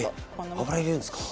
え油入れるんですか？